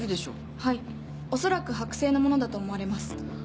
はいおそらく剥製のものだと思われます。